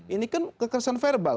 ini kan kekerasan verbal